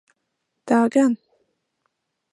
Tā gan.